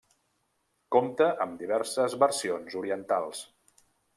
Compta amb diverses versions orientals.